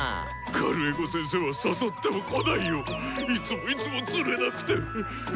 カルエゴ先生は誘っても来ないよ。いつもいつもつれなくてううっ。